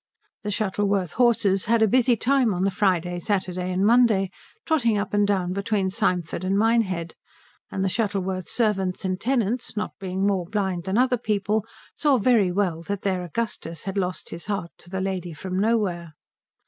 The Shuttleworth horses had a busy time on the Friday, Saturday, and Monday, trotting up and down between Symford and Minehead; and the Shuttleworth servants and tenants, not being more blind than other people, saw very well that their Augustus had lost his heart to the lady from nowhere.